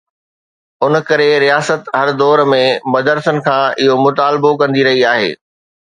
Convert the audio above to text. ان ڪري رياست هر دور ۾ مدرسن کان اهو مطالبو ڪندي رهي آهي.